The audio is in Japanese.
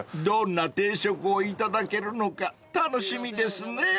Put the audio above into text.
［どんな定食を頂けるのか楽しみですね］